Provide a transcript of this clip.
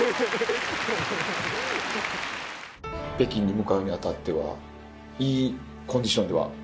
北京に向かうに当たってはいいコンディションではありますか？